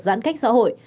giãn cách xã hội